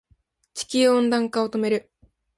地球温暖化を止める